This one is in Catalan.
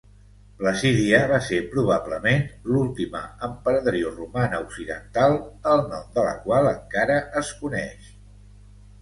Placídia va ser probablement l'última emperadriu romana occidental el nom de la qual encara es coneix.